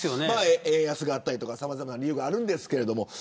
円安だったり、さまざまな理由があるんですけど。